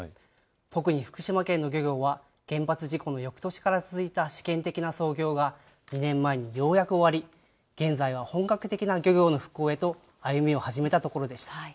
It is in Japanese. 特に福島県の漁業は、原発事故のよくとしから続いた試験的な操業が２年前にようやく終わり、現在は本格的な漁業の復興へと歩みを始めたところでした。